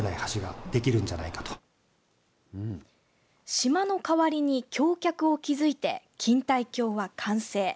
島の代わりに橋脚を築いて錦帯橋は完成。